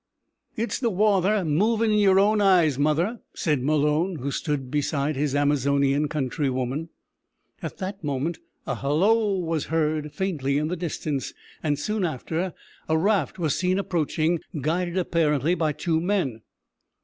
"It's the wather movin' in yer own eyes, mother," said Malone, who stood beside his Amazonian countrywoman. At that moment a halloo was heard faintly in the distance, and, soon after, a raft was seen approaching, guided, apparently, by two men.